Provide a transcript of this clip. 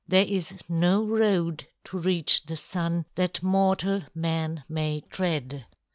There is no road to reach the Sun that mortal man may tread.